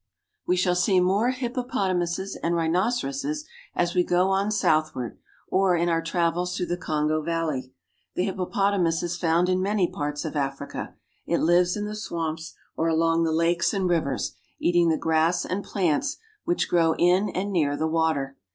We shall see more hippopotamuses and rhinoceroses as we go on southward or in our travels through the Kongo valley. The hippopotamus is found in many parts of Africa. It lives in the swamps or along the lakes and rivers, eating the grass and plants which grow in and near the water.